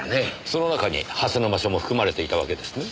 その中に蓮沼署も含まれていたわけですね。